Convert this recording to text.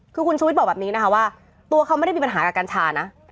คือคุณชูวิทย์บอกแบบนี้นะคะว่าตัวเขาไม่ได้มีปัญหากับกัญชานะ